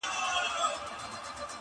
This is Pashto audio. تا هم کړي دي د اور څنګ ته خوبونه؟-!